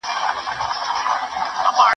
که وخت وي، کتابتون ته ځم.